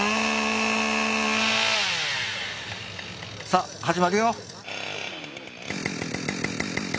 さあ始まるよ。